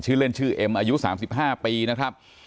เล่นชื่อเอ็มอายุ๓๕ปีนะครับ